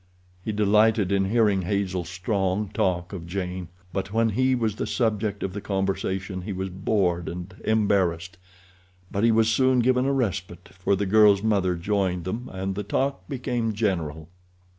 He delighted in hearing Hazel Strong talk of Jane, but when he was the subject of the conversation he was bored and embarrassed. But he was soon given a respite, for the girl's mother joined them, and the talk became general.